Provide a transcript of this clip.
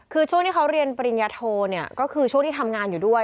คือช่วงที่เขาเรียนปริญญาโทเนี่ยก็คือช่วงที่ทำงานอยู่ด้วย